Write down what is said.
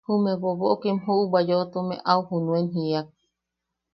Jume bobokim juʼubwa yoʼotume au junen jíak: